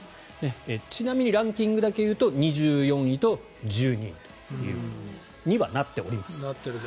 ちなみにランキングだけ言うと２４位と１２位ということにはなっております。